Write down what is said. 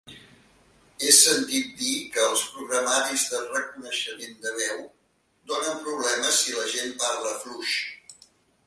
He sentit dir que els programaris de reconeixement de veu donen problemes si la gent parla fluix.